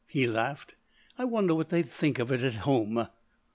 he laughed. "I wonder what they'd think of it at home?"